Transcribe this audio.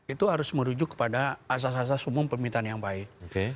itu harus merujuk kepada asas asas umum permintaan yang baik